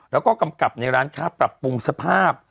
แล้วก็กำกับในร้านค้าปรับปรุงสภาพ